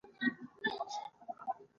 زه درته ډېر خجالت يم.